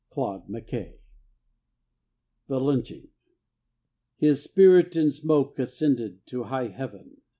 Claude McKay THE LYNCHING His spirit in smoke ascended to high heaven.